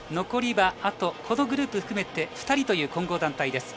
残りはあとこのグループ含めて２人という混合団体。